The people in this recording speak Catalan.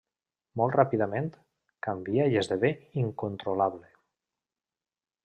Molt ràpidament, canvia i esdevé incontrolable.